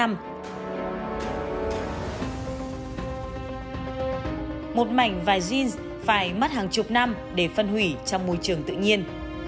một mảnh vài jeans phải mất hàng chục năm để phân hủy trong môi trường tự nhiên